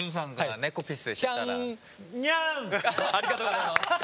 にゃん！ありがとうございます。